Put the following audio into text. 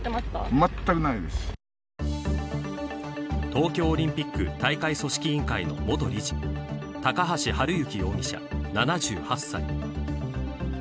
東京オリンピック大会組織委員会の元理事高橋治之容疑者、７８歳。